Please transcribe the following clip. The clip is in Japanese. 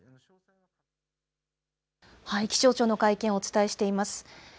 気象庁の会見、お伝えしています。